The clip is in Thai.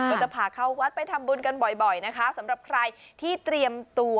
ก็จะพาเข้าวัดไปทำบุญกันบ่อยนะคะสำหรับใครที่เตรียมตัว